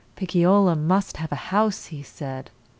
"Picciola must have a house," he said.